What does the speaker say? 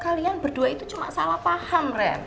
kalian berdua itu cuma salah paham rep